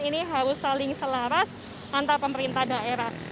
ini harus saling selaras antar pemerintah daerah